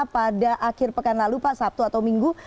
pada akhir pekan lalu pak sabtu atau minggu